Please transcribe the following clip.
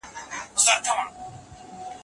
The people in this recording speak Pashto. حادثه ښکاره کوي، ټولنې ګامونه اخستي دي.